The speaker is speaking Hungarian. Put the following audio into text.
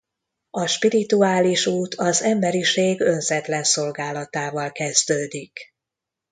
A spirituális út az emberiség önzetlen szolgálatával kezdődik.